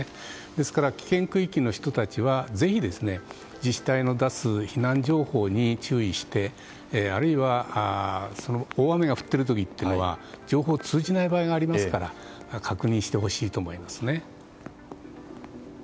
ですからぜひ、危険区域の人たちは自治体の出す避難情報に注意してあるいは大雨が降っている時は情報が通じない場合がありますから確認してほしいと思いますね。